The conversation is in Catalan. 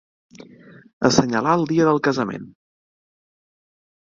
Assenyalar el dia del casament.